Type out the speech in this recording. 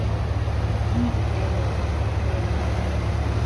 Мин бит әле... тере!